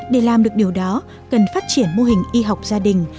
để làm được điều đó cần phát triển mô hình y học gia đình